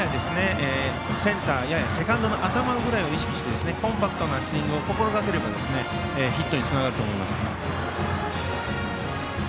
芯でとらえていますのでセンターややセカンドの後ろ辺りを目指してコンパクトなスイングを心がければヒットにつながると思います。